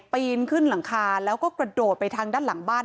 ปีนขึ้นหลังคาแล้วก็กระโดดไปทางด้านหลังบ้าน